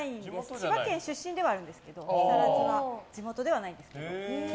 千葉県出身ではあるんですけど木更津は地元ではないです。